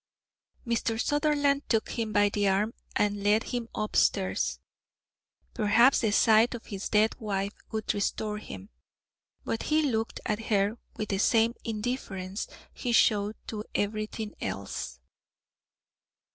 Mr. Sutherland took him by the arm and led him up stairs. Perhaps the sight of his dead wife would restore him. But he looked at her with the same indifference he showed to everything else.